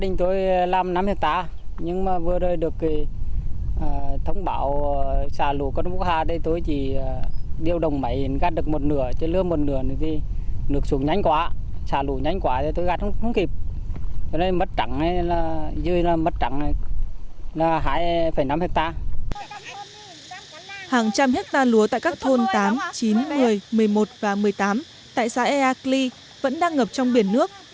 hàng trăm hectare lúa tại các thôn tám chín một mươi một mươi một và một mươi tám tại xã ea kli vẫn đang ngập trong biển nước